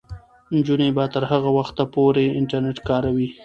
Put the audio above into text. نجونې به تر هغه وخته پورې انټرنیټ کاروي.